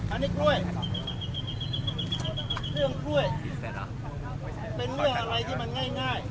อันนี้กล้วยเครื่องกล้วยเป็นเรื่องอะไรที่มันง่าย